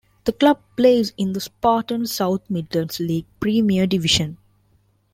The club plays in the Spartan South Midlands League Premier Division.